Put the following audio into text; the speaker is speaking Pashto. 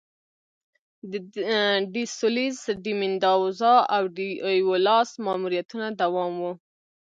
د ډي سولیز، ډي میندوزا او ډي ایولاس ماموریتونه دوام و.